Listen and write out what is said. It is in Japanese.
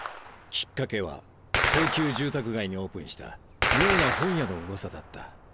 きっかけは高級住宅街にオープンした妙な本屋のウワサだった。